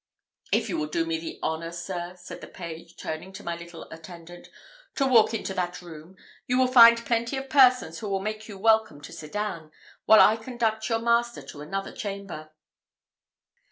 "If you will do me the honour, sir," said the page, turning to my little attendant, "to walk into that room, you will find plenty of persons who will make you welcome to Sedan, while I conduct your master to another chamber."